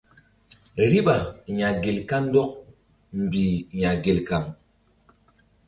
Riɓa ya̧ gel kandɔk mbih ya̧ gel kan.